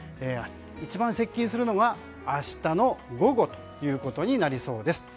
一番接近するのが明日の午後となりそうです。